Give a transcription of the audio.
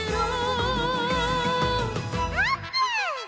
「あーぷん」